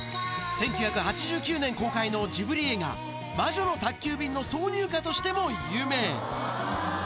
１９８９年公開のジブリ映画、魔女の宅急便の挿入歌としても有名。